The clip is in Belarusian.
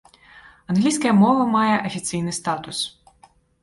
Англійская мова мае афіцыйны статус.